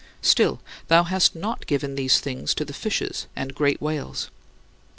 Still, thou hast not given these things to the fishes and great whales.